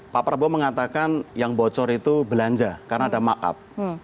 pak prabowo mengatakan yang bocor itu belanja karena ada markup